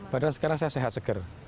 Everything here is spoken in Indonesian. padahal sekarang saya sehat segar